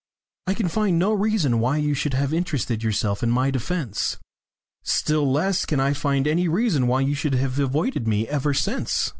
I can find no reason why you should have interested yourself in my defence. Still less can I find any reason why you should have avoided me ever since?"